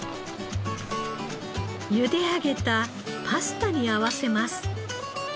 ゆで上げたパスタに合わせます。